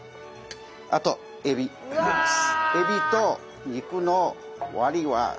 あとエビ入れます。